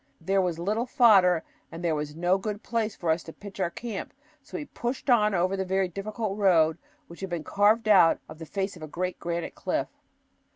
There was little fodder, and there was no good place for us to pitch our camp, so we pushed on over the very difficult road, which had been carved out of the face of a great granite cliff.